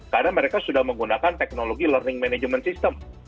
karena mereka sudah menggunakan teknologi learning management system